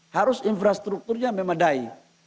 harus infrastrukturnya memadai